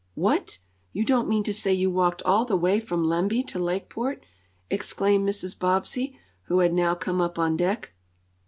"What! You don't mean to say you walked all the way from Lemby to Lakeport?" exclaimed Mrs. Bobbsey, who had now come up on deck.